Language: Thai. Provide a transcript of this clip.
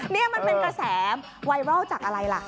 นี่มันเป็นกระแสไวรัลจากอะไรล่ะ